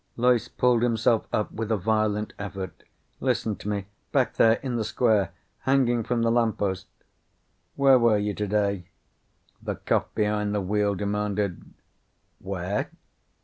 Loyce pulled himself up with a violent effort. "Listen to me. Back there. In the square. Hanging from the lamppost " "Where were you today?" the cop behind the wheel demanded. "Where?"